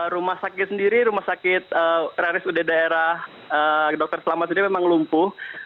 rumah sakit sendiri rumah sakit raris ud daerah dokter selamat sendiri memang lumpuh